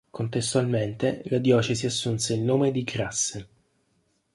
Contestualmente la diocesi assunse il nome di Grasse.